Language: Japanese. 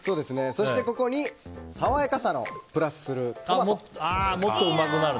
そして、ここに爽やかさをプラスするトマト。